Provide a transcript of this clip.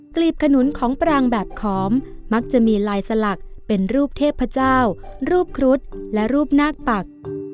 ลีบขนุนของปรางแบบขอมมักจะมีลายสลักเป็นรูปเทพเจ้ารูปครุฑและรูปนาคปัก